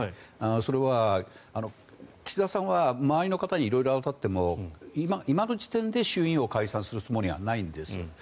それは岸田さんは周りの方に色々伺っても今の時点で衆議院を解散するつもりはないんです。